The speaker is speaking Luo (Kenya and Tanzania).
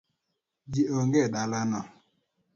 Ji onge e dalano